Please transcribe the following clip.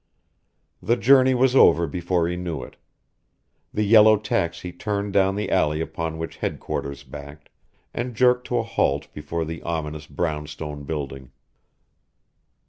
The journey was over before he knew it. The yellow taxi turned down the alley upon which headquarters backed, and jerked to a halt before the ominous brown stone building.